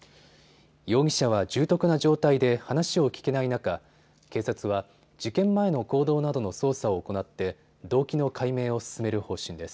容疑者は重篤な状態で話を聞けない中、警察は事件前の行動などの捜査を行って動機の解明を進める方針です。